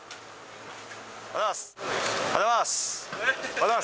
おはようございます。